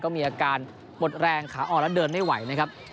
ก็มีอาการหมดแรงขาอ่อนแล้วเดินไม่ไหวนะครับ